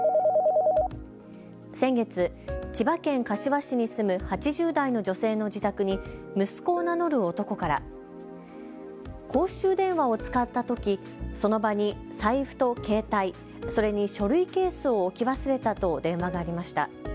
先月、千葉県柏市に住む８０代の女性の自宅に息子を名乗る男から公衆電話を使ったとき、その場に財布と携帯、それに書類ケースを置き忘れたと電話がありました。